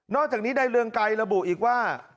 นอกจากนี้เรืองกลายละบุอีกว่า